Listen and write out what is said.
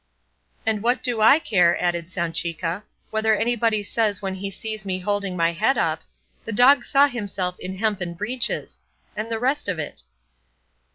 "And what do I care," added Sanchica, "whether anybody says when he sees me holding my head up, 'The dog saw himself in hempen breeches,' and the rest of it?"